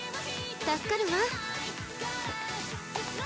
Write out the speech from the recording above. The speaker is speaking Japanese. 助かるわ。